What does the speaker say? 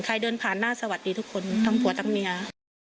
เดินผ่านหน้าสวัสดีทุกคนทั้งผัวทั้งเมีย